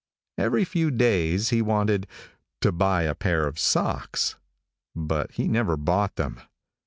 Every few days he wanted "to buy a pair of socks," but he never bought them.